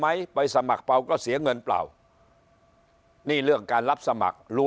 ไปสมัครเปล่าก็เสียเงินเปล่านี่เรื่องการรับสมัครรู้